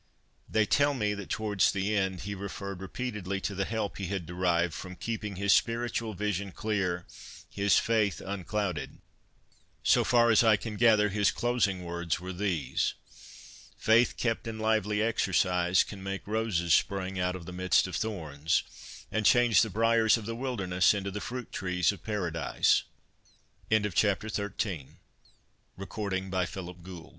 ' They tell me that towards the end he referred repeatedly to the help he had derived from keeping his spiritual vision clear, his faith unclouded. So far as I can gather, his closing words were these :' Faith kept in lively exercise can make roses spring out of the midst of thorns, and change the briers of the wilderness into the fruit tre